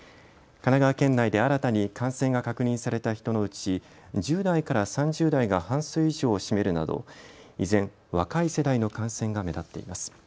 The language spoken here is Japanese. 神奈川県内で新たに感染が確認された人のうち１０代から３０代が半数以上を占めるなど依然、若い世代の感染が目立っています。